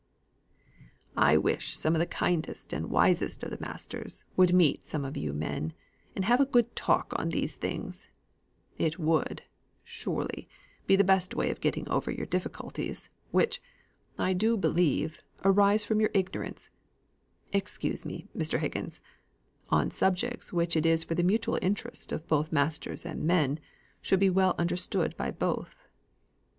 "I wish some of the kindest and wisest of the masters would meet some of you men, and have a good talk on these things; it would, surely, be the best way of getting over your difficulties, which, I do believe, arise from your ignorance excuse me, Mr. Higgins on subjects which it is for the mutual interests of both masters and men should be well understood by both.